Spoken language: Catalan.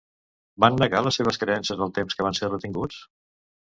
Van negar les seves creences el temps que van ser retinguts?